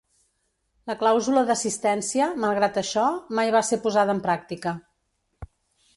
La clàusula d'assistència, malgrat això, mai va ser posada en pràctica.